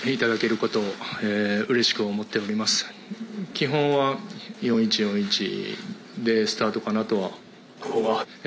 基本は４−１−４−１でスタートかなと思っています。